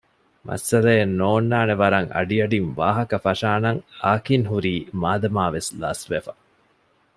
މައްސަލައެއް ނޯންނާނެވަރަށް އަޑިއަޑިން ވާހަކަ ފަށާނަން އާކިން ހުރީ މާދަމާވެސް ލަސްވެފަ